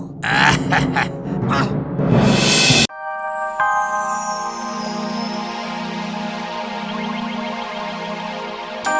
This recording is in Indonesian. api u indukmu